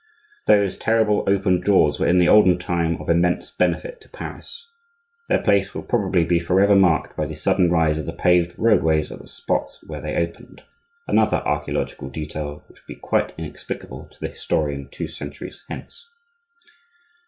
Those terrible open jaws were in the olden time of immense benefit to Paris. Their place will probably be forever marked by the sudden rise of the paved roadways at the spots where they opened,—another archaeological detail which will be quite inexplicable to the historian two centuries hence.